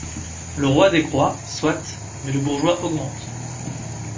Le roi décroît, soit, mais le bourgeois augmente.